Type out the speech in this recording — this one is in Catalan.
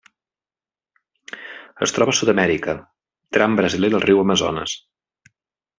Es troba a Sud-amèrica: tram brasiler del riu Amazones.